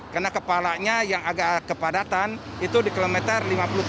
karena kepalanya yang agak kepadatan itu di kilometer lima puluh tujuh